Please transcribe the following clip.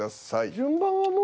順番はもう。